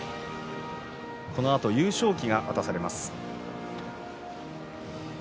このあと優勝旗が渡されます。